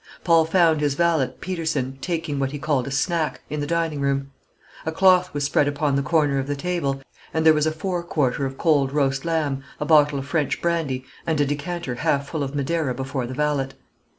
Paul found his valet Peterson, taking what he called a snack, in the dining room. A cloth was spread upon the corner of the table; and there was a fore quarter of cold roast lamb, a bottle of French brandy, and a decanter half full of Madeira before the valet.